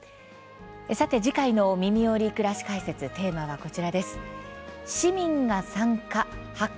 さて次回の「みみよりくらし解説」テーマはこちらです。